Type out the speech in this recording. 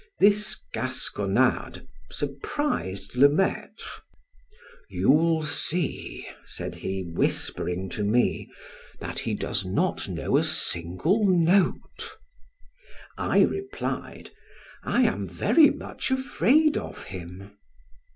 This Gasconade surprised Le Maitre "You'll see," said he, whispering to me, "that he does not know a single note." I replied: "I am very much afraid of him."